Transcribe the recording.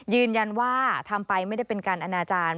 ยืนยันว่าทำไปไม่ได้เป็นการอนาจารย์